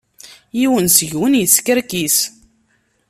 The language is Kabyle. Yiwen seg-wen yeskerkis.